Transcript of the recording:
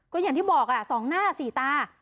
แบบที่บอกสองหน้า๔ตา